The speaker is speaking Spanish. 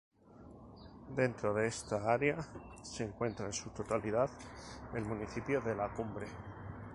Dentro de esta área se encuentra en su totalidad el municipio de La Cumbre.